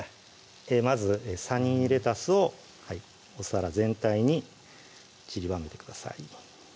まずサニーレタスをお皿全体にちりばめてください